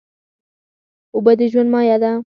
اوبه د ژوند مایه ده.